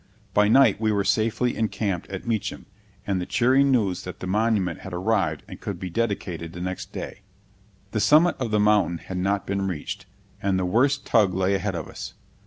By night we were safely encamped at Meacham, with the cheering news that the monument had arrived and could be dedicated the next day. The summit of the mountain had not been reached, and the worst tug lay ahead of us.